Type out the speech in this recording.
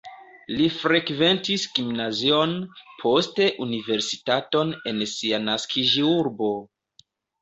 Li frekventis gimnazion, poste universitaton en sia naskiĝurbo.